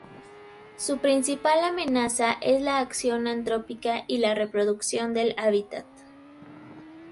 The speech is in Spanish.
Su principal amenaza es la acción antrópica y la reducción del hábitat.